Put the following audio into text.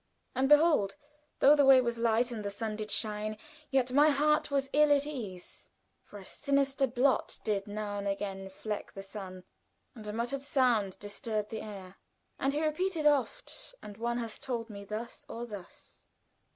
"And behold, though the way was light and the sun did shine, yet my heart was ill at ease, for a sinister blot did now and again fleck the sun, and a muttered sound perturbed the air. And he repeated oft 'One hath told me thus or thus.'"